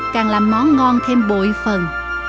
càng làm món ngon thêm bội phần